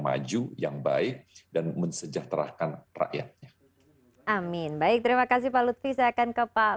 maju yang baik dan mensejahterakan rakyatnya amin baik terima kasih pak lutfi saya akan ke pak